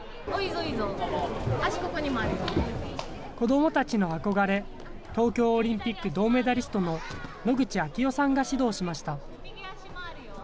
子どもたちの憧れ、東京オリンピック銅メダリストの野口啓代さんが指導しました。